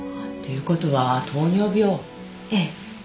っていう事は糖尿病？ええ。